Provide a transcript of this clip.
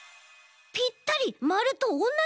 ぴったりまるとおんなじながさだ！